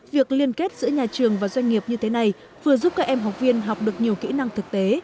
việc liên kết giữa nhà trường và doanh nghiệp như thế này vừa giúp các em học viên học được nhiều kỹ năng thực tế